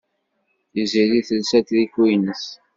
Tiziri telsa atriku-ines.